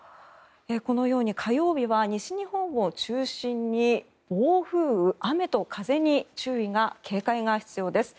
このように火曜日は西日本を中心に暴風雨雨と風に警戒が必要です。